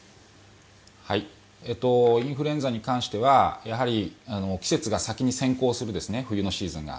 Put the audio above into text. インフルエンザに関しては季節が先に先行する冬のシーズンが。